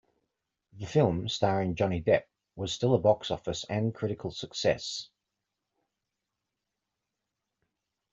The film, starring Johnny Depp, was still a box office and critical success.